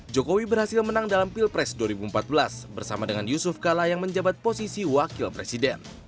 jokowi berhasil menang dalam pilpres dua ribu empat belas bersama dengan yusuf kala yang menjabat posisi wakil presiden